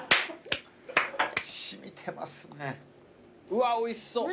うわおいしそう。